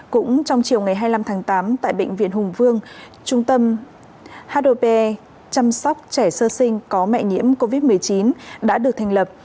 cũng trong chiều ngày hai mươi năm tháng tám tại bệnh viện hùng vương trung tâm hp chăm sóc trẻ sơ sinh có mẹ nhiễm covid một mươi chín đã được thành lập